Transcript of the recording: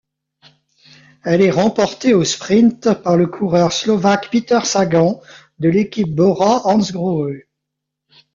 Elle est remportée au sprint par le coureur slovaque Peter Sagan, de l'équipe Bora-Hansgrohe.